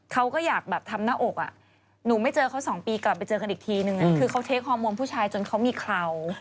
เขาก็อยากทำหน้าอกก็ไม่เจอเขาสองปีกลับไปเจอกันอีกทีคือเขาเทรกฮอมมวนผู้ชายจนเขามีเครา